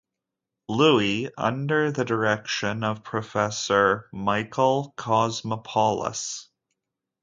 Louis under the direction of Professor Michael Cosmopoulos.